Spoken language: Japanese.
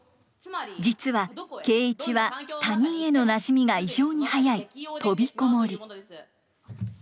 実は圭一は他人へのなじみが異常に早い飛びこもり。